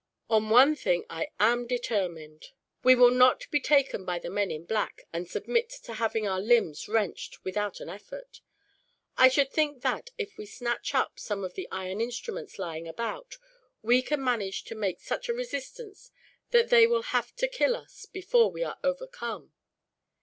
"On one thing I am determined. We will not be taken by the men in black, and submit to having our limbs wrenched, without an effort. I should think that, if we snatch up some of the iron instruments lying about, we can manage to make such a resistance that they will have to kill us, before we are overcome.